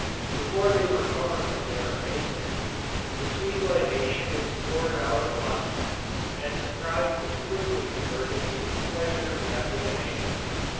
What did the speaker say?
Before they recover from their amazement, the sweet libation is poured out upon them, and surprize is quickly converted into pleasure rather than anger.